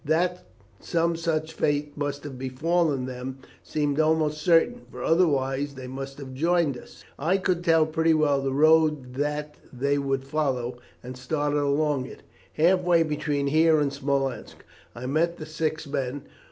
That some such fate must have befallen them seemed almost certain, for otherwise they must have joined us. "I could tell pretty well the road that they would follow, and started along it. Half way between here and Smolensk I met the six men.